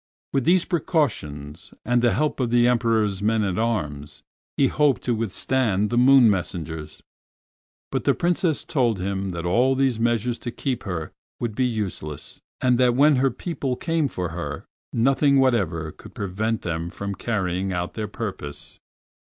With these precautions, and the help of the Emperor's men at arms, he hoped to withstand the moon messengers, but the Princess told him that all these measures to keep her would be useless, and that when her people came for her nothing whatever could prevent them from carrying out their purpose.